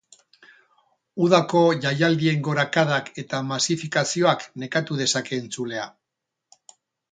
Udako jaialdien gorakadak eta masifikazioak nekatu dezake entzulea.